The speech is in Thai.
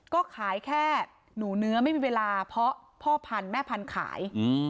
ก็ขายแค่หนูเนื้อไม่มีเวลาเพราะพ่อพันธุ์แม่พันธุ์ขาย